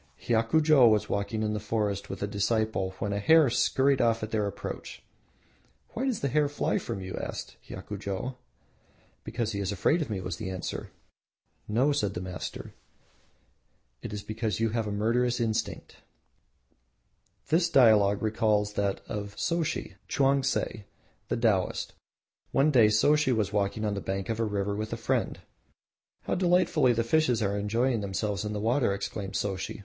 Hiakujo was walking in the forest with a disciple when a hare scurried off at their approach. "Why does the hare fly from you?" asked Hiakujo. "Because he is afraid of me," was the answer. "No," said the master, "it is because you have murderous instinct." The dialogue recalls that of Soshi (Chaungtse), the Taoist. One day Soshi was walking on the bank of a river with a friend. "How delightfully the fishes are enjoying themselves in the water!" exclaimed Soshi.